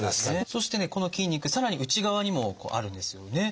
そしてねこの筋肉さらに内側にもあるんですよね。